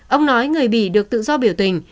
ông nói người bị được tự do biểu tình